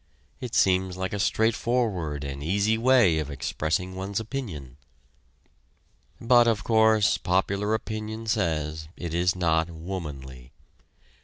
It seems like a straightforward and easy way of expressing one's opinion. But, of course, popular opinion says it is not "womanly."